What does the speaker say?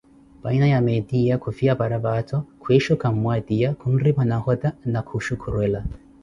Payina ya meetiya khufiya paraphato, kwishuka mmwatiya, khunripha nahota na kushukurwela.